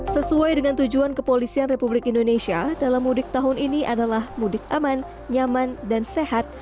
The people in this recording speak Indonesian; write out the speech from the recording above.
sesuai dengan tujuan kepolisian republik indonesia dalam mudik tahun ini adalah mudik aman nyaman dan sehat